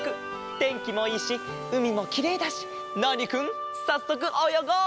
てんきもいいしうみもきれいだしナーニくんさっそくおよごう！